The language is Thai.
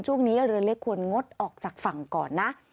ช่วงนี้ก็เลยควรงดออกจากฝั่งก่อนนะ